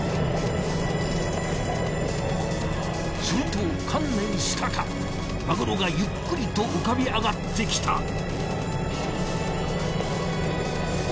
すると観念したかマグロがゆっくりと浮かび上がってきた。